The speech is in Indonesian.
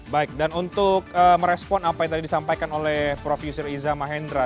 baik dan untuk merespon apa yang tadi disampaikan oleh prof yusril iza mahendra